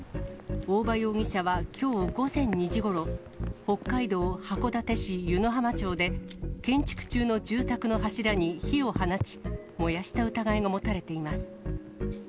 大場容疑者はきょう午前２時ごろ、北海道函館市湯浜町で、建築中の住宅の柱に火を放ち、燃やした疑いが持たれています。